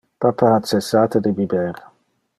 Papa ha cessate de biber.